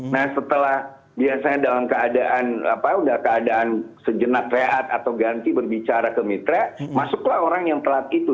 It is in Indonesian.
nah setelah biasanya dalam keadaan sejenak rehat atau ganti berbicara ke mitra masuklah orang yang telat itu